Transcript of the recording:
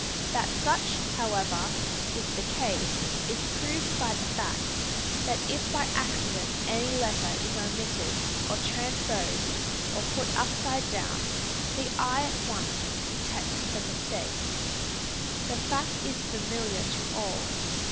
That such, however, is the case, is proved by the fact, that if by accident any letter is omitted, or transposed, or put upside down, the eye at once detects the mistake. The fact is familiar to all.